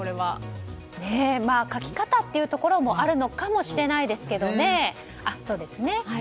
書き方というところもあるのかもしれないですけどね。